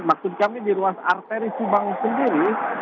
maksud kami di ruas arteri subang sendiri